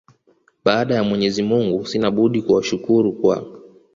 Baada ya Mwenyezi mungu sina budi kuwashukuru kwa